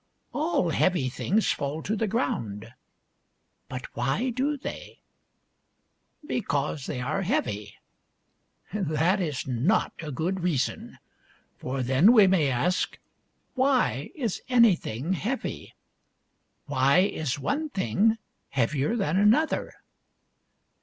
" All heavy things fall to the ground — but why do they ? Because they are heavy. That is not a good reason. For then we may ask why is anything heavy? Why is one thing heavier than another?